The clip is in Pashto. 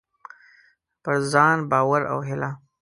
پر ځان باور او هيله: